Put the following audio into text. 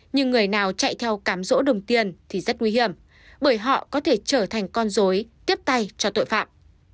nhưng người nào chạy theo cám rỗ đồng tiền thì rất nguy hiểm bởi họ có thể trở thành con dối tiếp tay cho tội phạm